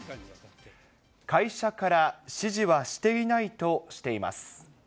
会社から指示はしていないとしています。